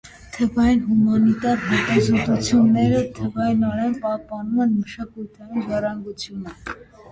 Թվային հումանիտար հետազոտությունները թվայնորեն պահպանում են մշակութային ժառանգությունը։